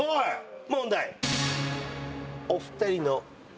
問題。